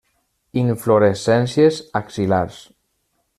Inflorescències axil·lars.